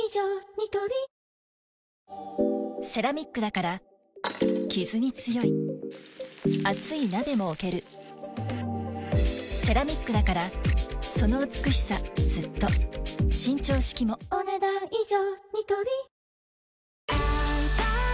ニトリセラミックだからキズに強い熱い鍋も置けるセラミックだからその美しさずっと伸長式もお、ねだん以上。